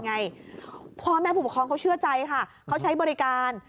พ่อแม่ผู้ปกครองเขาเชื่อใจค่ะเขาใช้บริการ